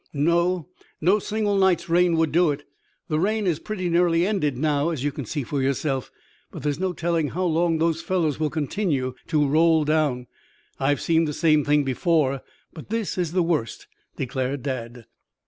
"No. No single night's rain would do it. The rain is pretty nearly ended now, as you can see for yourself. But there's no telling how long those fellows will continue to roll down. I've seen the same thing before, but this is the worst," declared Dad.